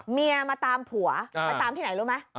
เมียมาตามผัวมาตามที่ไหนรู้ไหม